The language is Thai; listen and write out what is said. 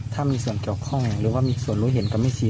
ถ้ามีส่วนเกี่ยวข้องหรือว่ามีส่วนรู้เห็นกับแม่ชี